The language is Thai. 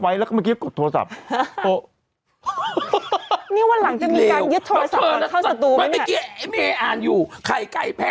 อยากกดโทรศัพท์ไว้แล้วก็ไม่กินกดโทรศัพท์